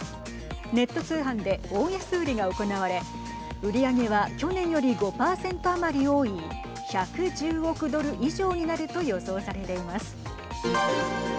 ネット通販で大安売りが行われ売り上げは去年より５％余り多い１１０億ドル以上になると予想されています。